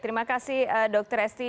terima kasih dokter esti